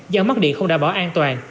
gian mắc điện không đảm bảo an toàn